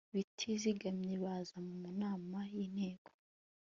batizigamye Baza mu nama z Inteko